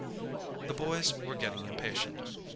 The boys were getting impatient.